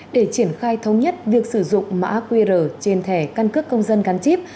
để triển khai thống nhất việc sử dụng mã qr trên thẻ căn cước công dân gắn chip